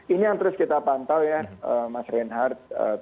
ini yang terus kita pantau ya mas reinhardt